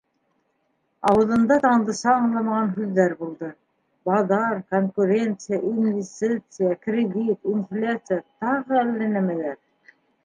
Ауыҙында Таңдыса аңламаған һүҙҙәр булды: баҙар, конкуренция, инвестиция, кредит, инфляция, тағы әллә нәмәләр.